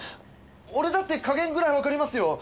俺だって加減ぐらいわかりますよ。